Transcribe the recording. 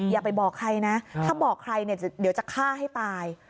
อย่าไปบอกใครนะถ้าบอกใครเนี่ยเดี๋ยวจะฆ่าให้ตาย